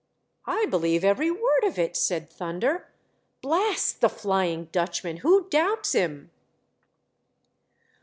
"I believe every word of it," said Thunder. " Blast the Flying Dutchman ! who doubts him